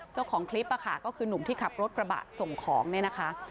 เจ้าของคลิปค่ะก็คือหนุ่มที่ขับรถกระบะส่งของเนี่ยนะคะ